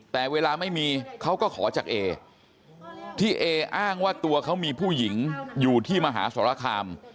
แต่เวลาไม่มีเขาก็ขอจากเอที่เออ้างว่าตัวเขามีผู้หญิงอยู่ที่มหาสรคาม